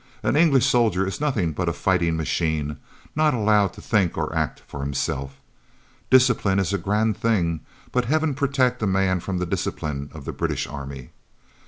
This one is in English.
An English soldier is nothing but a fighting machine, not allowed to think or act for himself. Discipline is a grand thing, but Heaven protect a man from the discipline of the British army.